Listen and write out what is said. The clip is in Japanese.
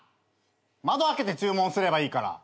窓開けて注文すればいいから。